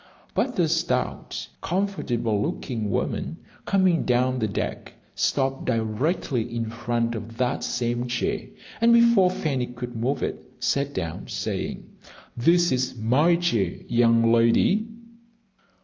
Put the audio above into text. But a stout, comfortable looking woman coming down the deck stopped directly in front of that same chair, and before Fanny could move it, sat down, saying, "This is my chair, young lady."